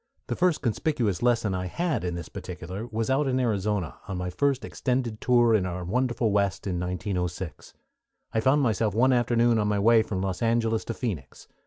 The first conspicuous lesson I had in this particular was out in Arizona on my first extended tour in our wonderful West in 1906. I found myself one afternoon on my way from Los Angeles to Phoenix.